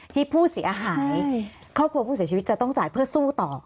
ที่ผู้เสียหายครอบครัวผู้เสียชีวิตจะต้องจ่ายเพื่อสู้ต่อ